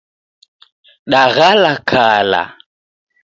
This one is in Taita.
Daghala kala